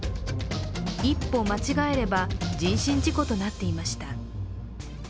一歩間違えれば人身事故となっていました。